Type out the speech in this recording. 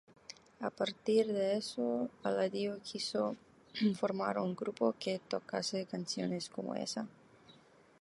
A partir de esto, Eladio quiso formar un grupo que tocase canciones como esa.